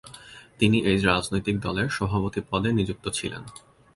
তিনি এই রাজনৈতিক দলের সভাপতি পদে নিযুক্ত ছিলেন।